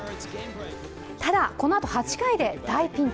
ただこのあと８回で大ピンチ。